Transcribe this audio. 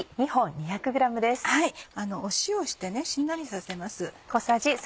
塩をしてしんなりさせます。